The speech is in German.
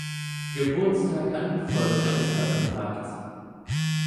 Geburtstag an den Folgen eines Herzinfarkts.